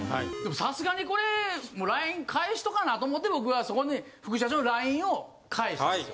さすがにこれＬＩＮＥ返しとかなと思って僕はそこに副社長のＬＩＮＥを返したんですよ。